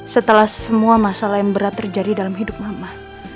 setelah semua masalah yang berat terjadi dalam hidup mama